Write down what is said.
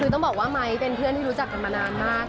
คือต้องบอกว่าไม้เป็นเพื่อนที่รู้จักกันมานานมาก